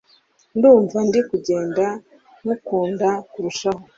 ndumva ndi kugenda nkukunda kurushaho